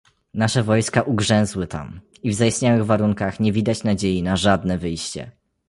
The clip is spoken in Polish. Nasze wojska ugrzęzły tam, i w zaistniałych warunkach nie widać nadziei na żadne wyjście